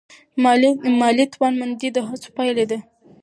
مالي توانمندي د هڅو پایله ده.